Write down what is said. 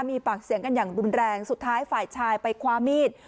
มีปากเสียงกันอย่างรุนแรงสุดท้ายฝ่ายชายไปคว้ามีด